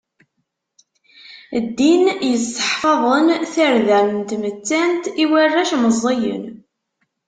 Ddin yesseḥfaḍen tarda n tmettant i warrac meẓẓiyen.